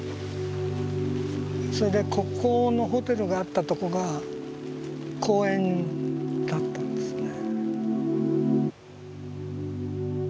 それでここのホテルがあったとこが公園だったんですね。